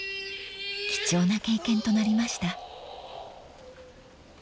［貴重な経験となりました］